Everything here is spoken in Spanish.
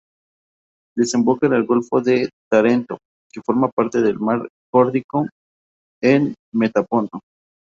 Desemboca en el golfo de Tarento, que forma parte del mar Jónico, en Metaponto.